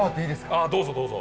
あどうぞどうぞ。